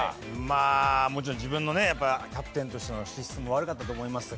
まあもちろん自分のねキャプテンとしての資質も悪かったと思います。